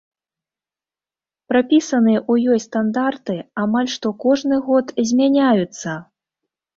Прапісаныя ў ёй стандарты амаль што кожны год змяняюцца.